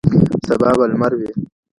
سبا به لمر وي